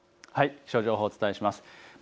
気象情報をお伝えします。